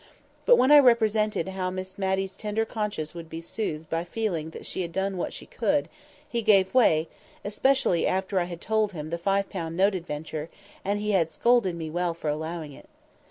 But when I represented how Miss Matty's tender conscience would be soothed by feeling that she had done what she could, he gave way; especially after I had told him the five pound note adventure, and he had scolded me well for allowing it.